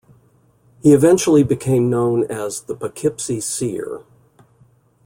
He eventually became known as "the Poughkeepsie Seer".